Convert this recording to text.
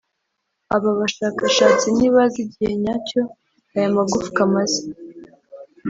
aba bashakashatsi ntibazi igihe nyacyo aya magufwa amaze